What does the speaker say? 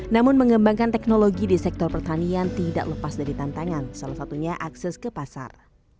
namun mengembangkan teknologi di sektor pertanian tidak lepas dari tantangan salah satunya akses ke pasar